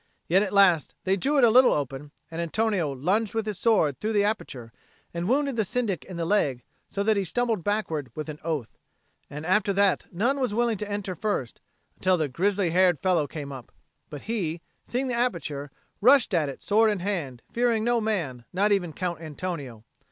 Yet at last they drew it a little open; and Antonio lunged with his sword through the aperture and wounded the Syndic in the leg, so that he stumbled backwards with an oath. And after that none was willing to enter first, until the grizzly haired fellow came up; but he, seeing the aperture, rushed at it sword in hand, fearing no man, not even Count Antonio.